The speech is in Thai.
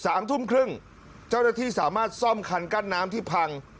สามทุ่มครึ่งเจ้าหน้าที่สามารถซ่อมคันกั้นน้ำที่พัง